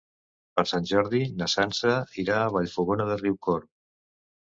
Per Sant Jordi na Sança irà a Vallfogona de Riucorb.